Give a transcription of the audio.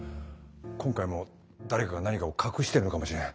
今回も誰かが何かを隠してるのかもしれない。